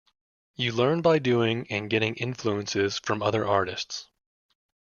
You learn by doing and getting influences from other artists.